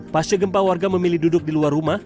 pasca gempa warga memilih duduk di luar rumah